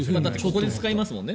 ここで使いますもんね。